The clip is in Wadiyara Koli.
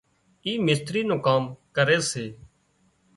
اي مستري نُون ڪام ڪري سي